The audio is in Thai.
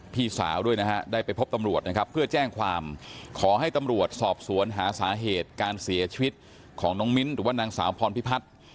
พี่สาวด้วยนะฮะได้ไปพบตำรวจนะครับเพื่อแจ้งความขอให้ตำรวจสอบสวนหาสาเหตุการเสียชีวิตของน้องมิ้นหรือว่านางสาวพรพิพัฒน์